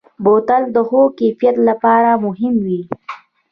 بوتل د ښو کیفیت لپاره مهم وي.